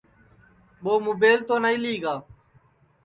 ٻو مُبیل تو نائی لی گا